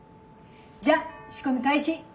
じゃあ仕込み開始。